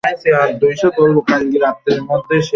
ধারণা বলতে সাধারণত চিন্তাভাবনা বা বিমূর্ত ধারণা বোঝায়।